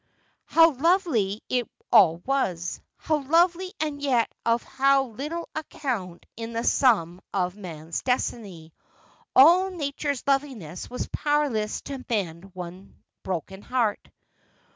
How lovely it all was — how lovely, and yet of how little account in the sum of man's destiny ! All Nature's loveliness was powerless to mend one broken heart.